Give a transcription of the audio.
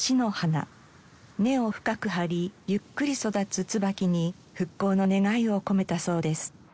根を深く張りゆっくり育つ椿に復興の願いを込めたそうです。